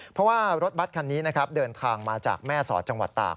เพราะว่ารถบัตรคันนี้นะครับเดินทางมาจากแม่สอดจังหวัดตาก